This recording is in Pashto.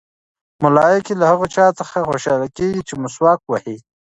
ملایکې له هغه چا څخه خوشحاله کېږي چې مسواک وهي.